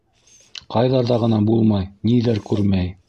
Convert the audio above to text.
Ҡайҙарҙа ғына булмай, ниҙәр күрмәй